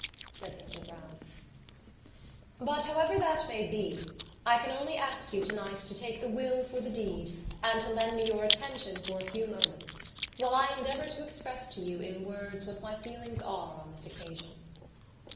said Mr Browne. "But, however that may be, I can only ask you tonight to take the will for the deed and to lend me your attention for a few moments while I endeavour to express to you in words what my feelings are on this occasion.